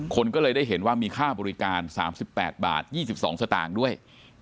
คนก็เลยได้เห็นว่ามีค่าบริการ๓๘บาท๒๒สตางค์ด้วย